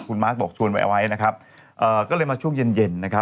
คุณมาร์ชบอกชวนไว้นะครับก็เลยมาช่วงเย็นนะครับ